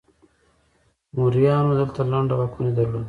موریانو دلته لنډه واکمني درلوده